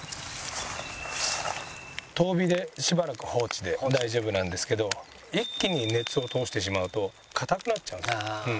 遠火でしばらく放置で大丈夫なんですけど一気に熱を通してしまうと硬くなっちゃうんです。